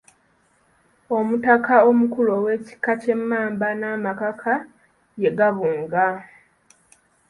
Omutaka omukulu ow’ekika ky’Emmamba Nnamakaka ye Gabunga.